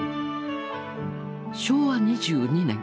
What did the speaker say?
昭和２２年